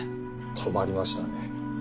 困りましたね。